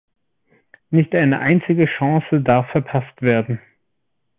Nicht eine einzige Chance darf verpasst werden.